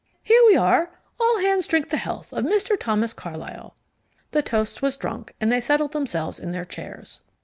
Here we are, all hands drink the health of Mr. Thomas Carlyle." The toast was drunk, and they settled themselves in their chairs.